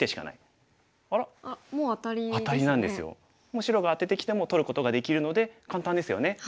もう白がアテてきても取ることができるので簡単ですよね。